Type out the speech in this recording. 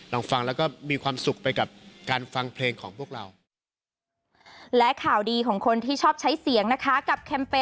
ลองฟังแล้วก็มีความสุขไปกับการฟังเพลงของพวกเรา